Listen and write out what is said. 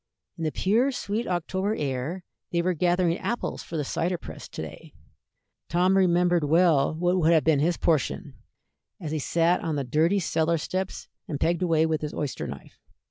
In the pure, sweet October air they were gathering apples for the cider press to day. Tom remembered well what would have been his portion, as he sat on the dirty cellar steps and pegged away with his oyster knife.